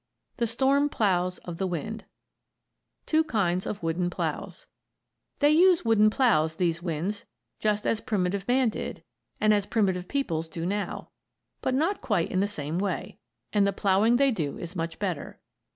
THE STORM PLOUGHS OF THE WIND TWO KINDS OF WOODEN PLOUGHS They use wooden ploughs, these winds, just as primitive man did, and as primitive peoples do now; but not quite in the same way, and the ploughing they do is much better.